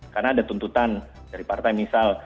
karena ada tuntutan dari partai misal